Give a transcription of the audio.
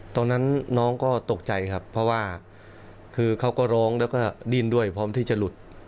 ตอนนั้นน้องก็ตกใจครับเพราะว่าคือเขาก็ร้องแล้วก็ดิ้นด้วยพร้อมที่จะหลุด